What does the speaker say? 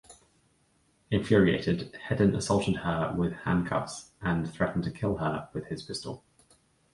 Infuriated, Hedin assaulted her with handcuffs, and threatened to kill her with his pistol.